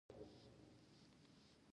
آیا تاسو چمتو یاست؟